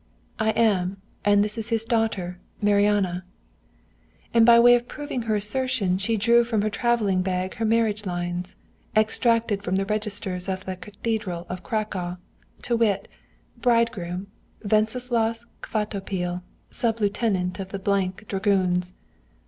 "'I am, and this is his daughter, Marianna.' "And by way of proving her assertion she drew from her travelling bag her marriage lines, extracted from the registers of the cathedral of Cracow, to wit: 'Bridegroom: Wenceslaus Kvatopil, Sub Lieutenant in the Dragoons.